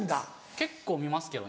結構見ますけどね。